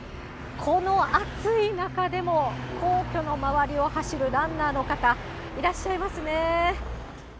この暑い中でも皇居の周りを走るランナーの方いらっしゃいますね。